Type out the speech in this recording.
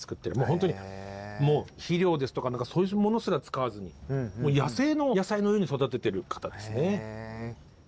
ほんとにもう肥料ですとかそういうものすら使わずに野生の野菜のように育ててる方ですね。